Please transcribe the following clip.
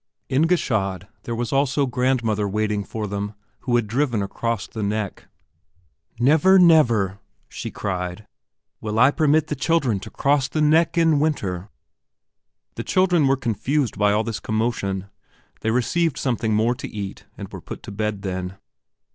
In Gschaid there was also grandmother waiting for them who had driven across the "neck." "Never, never," she cried, "will I permit the children to cross the 'neck' in winter!" The children were confused by all this commotion. They received something more to eat and were put to bed then.